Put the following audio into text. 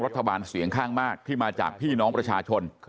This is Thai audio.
เสียงข้างมากที่มาจากพี่น้องประชาชน